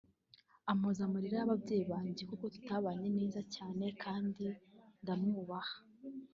ampoza amarira y’ababyeyi banjye kuko tubanye neza cyane kandi ndamwubaha